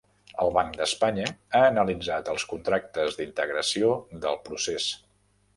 El Banc d'Espanya ha analitzat els contractes d'integració del procés.